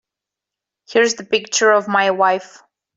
Here's the picture of my wife.